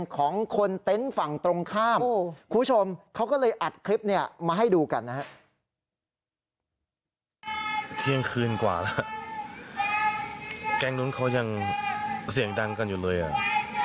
แกงนู้นเขายังเสียงดังกันอยู่เลยอะ